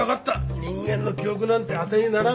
人間の記憶なんて当てにならんという事だよ。